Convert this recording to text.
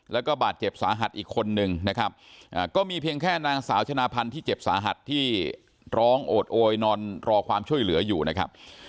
แล้วก็บาดเจ็บสาหัสอีกคนนึงนะครับก็มีเพียงแค่นางสาวชนะพันธ์ที่เจ็บสาหัสที่ร้องโอดโอยนอนรอความช่วยเหลืออยู่นะครับ